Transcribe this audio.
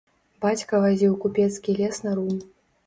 Бацька вазіў купецкі лес на рум.